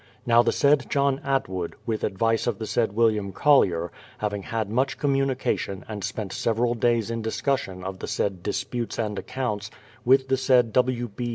Now the said John Atwood, with advice of the said William Collier, having had much communication and spent several days in discussion of the said disputes and accounts with the said W. B.